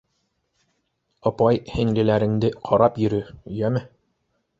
Апай-һеңлеләреңде ҡарап йөрө, йәме.